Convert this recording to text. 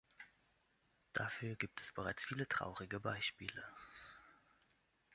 Dafür gibt es bereits viele traurige Beispiele.